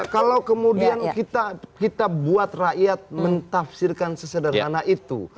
kalau kemudian kita buat rakyat mentafsirkan sesederhana itu